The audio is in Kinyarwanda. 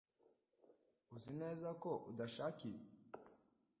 Uzi neza ko udashaka ibi?